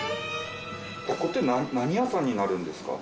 ここって何屋さんになるんですか？